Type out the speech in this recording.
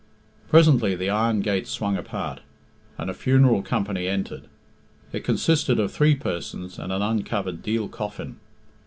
Presently the iron gates swung apart, and a funeral company entered. It consisted of three persons and an uncovered deal coffin.